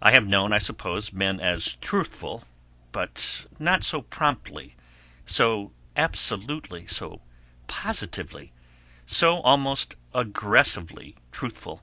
I have known, I suppose, men as truthful, but not so promptly, so absolutely, so positively, so almost aggressively truthful.